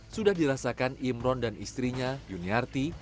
sudah dirasakan imron dan istrinya yuniarti